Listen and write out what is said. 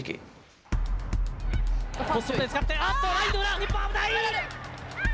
日本危ない！